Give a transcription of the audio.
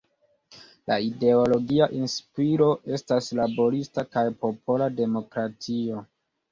La ideologia inspiro estas laborista kaj popola demokratio.